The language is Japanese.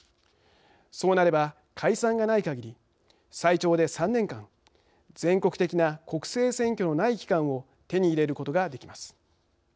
そうなれば解散がないかぎり最長で３年間全国的な国政選挙のない期間を手に入れることができます。